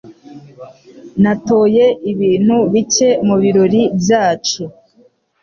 Natoye ibintu bike mubirori byacu.